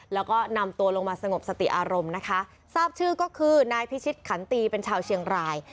แล้วก็นำตัวลงมาสงบสติอารมณ์นะคะทราบชื่อก็คือนายพิชิตขันตีเป็นชาวเชียงราย